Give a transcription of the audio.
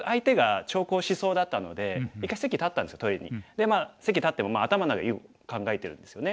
でまあ席立っても頭の中で囲碁考えてるんですよね。